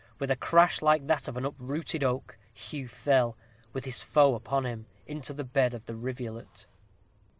With a crash like that of an uprooted oak, Hugh fell, with his foe upon him, into the bed of the rivulet.